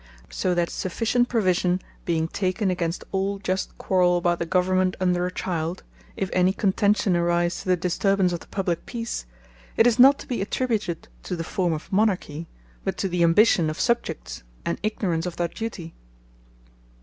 So that sufficient provision being taken, against all just quarrell, about the Government under a Child, if any contention arise to the disturbance of the publique Peace, it is not to be attributed to the forme of Monarchy, but to the ambition of Subjects, and ignorance of their Duty.